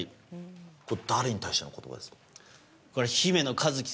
これ、誰に対しての言葉ですか。